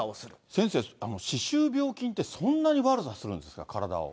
先生、歯周病菌ってそんなに悪さするんですか、体を。